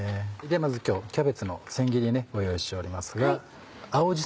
まず今日キャベツの千切りご用意しておりますが青じ